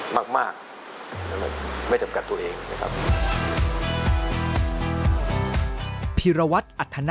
มากนะครับไม่จำกัดตัวเองนะครับ